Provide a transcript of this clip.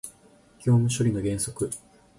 業務処理の原則